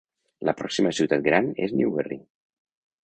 La pròxima ciutat gran és Newberry.